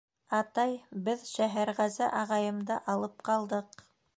—Атай, беҙ Шәһәрғәзе ағайымды алып ҡалдыҡ.